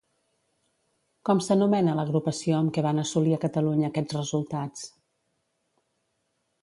Com s'anomena l'agrupació amb què van assolir a Catalunya aquests resultats?